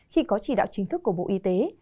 khi có chỉ đạo chính thức của bộ y tế